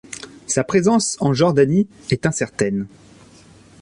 Sa présence en Jordanie est incertaine.